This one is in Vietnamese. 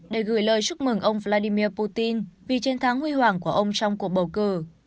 để gửi lời chúc mừng ông vladimir putin vì chiến thắng huy hoàng của ông trong cuộc bầu cử